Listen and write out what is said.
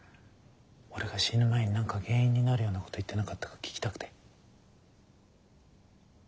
俺が死ぬ前に何か原因になるようなこと言ってなかったか聞きたくて。